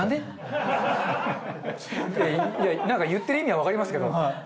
いやなんか言ってる意味はわかりますけど。